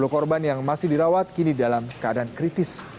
sepuluh korban yang masih dirawat kini dalam keadaan kritis